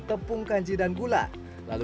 tepung kanji dan gula lalu